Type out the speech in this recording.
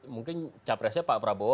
mungkin capresnya pak prabowo